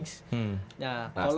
nah standar tuh gimana